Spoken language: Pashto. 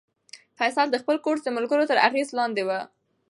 فیصل د خپل کورس د ملګرو تر اغېز لاندې و.